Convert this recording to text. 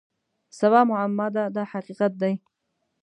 سبا معما ده دا حقیقت دی.